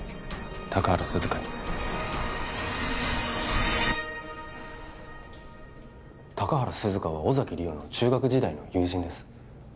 高原涼香に高原涼香は尾崎莉桜の中学時代の友人です